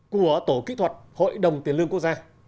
của tổ kỹ thuật hội đồng tiền lương quốc gia